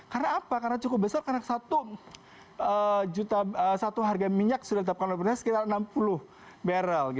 karena apa karena cukup besar karena satu harga minyak sudah ditapkan oleh perusahaan sekitar enam puluh barrel